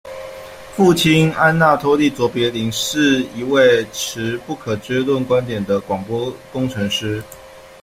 父亲安纳托利·卓别林是一位持不可知论观点的广播工程师。